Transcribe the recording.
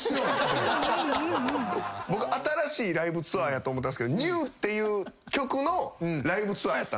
僕新しいライブツアーやと思ったんですけど『ＮＥＷＷＷ』っていう曲のライブツアーやった。